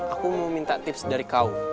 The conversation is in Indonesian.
aku mau minta tips dari kau